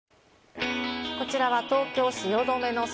こちらは東京・汐留の空。